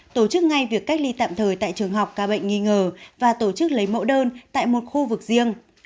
tổ chức ngay việc cách ly tạm thời tại trường học ca bệnh nghi ngờ và tổ chức lấy mẫu đơn tại một khu vực riêng